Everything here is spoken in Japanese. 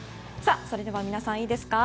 それでは皆さんいいですか？